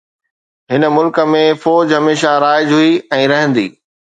هن ملڪ ۾ فوج هميشه رائج هئي ۽ رهندي